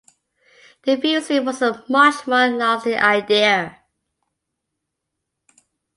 The fusee was a much more lasting idea.